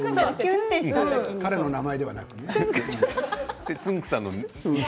彼の名前ではなくね。